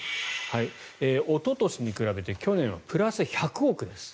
おととしに比べて去年はプラス１００億です。